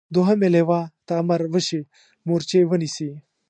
دوهمې لواء ته امر وشي مورچې ونیسي.